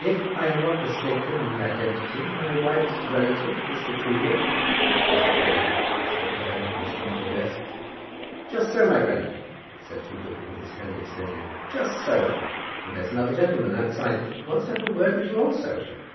"If I am not mistaken in the identity, my wife's relative, Mr. Toogood?" said Mr. Crawley, stepping down from his humble desk. "Just so, my friend," said Toogood, with his hand extended, "just so; and there's another gentleman outside who wants to have a word with you also.